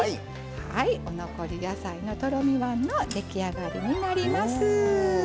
お残り野菜のとろみ椀の出来上がりになります。